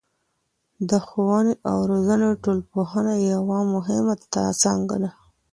د ښووني او روزني ټولنپوهنه یوه مهمه څانګه ده.